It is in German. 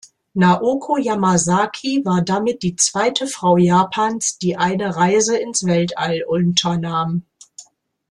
Naoko Yamazaki war damit die zweite Frau Japans, die eine Reise ins Weltall unternahm.